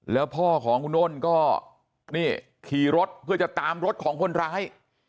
แล้วพ่อของคุณอ้นก็นี่ขี่รถเพื่อจะตามรถของคนร้าย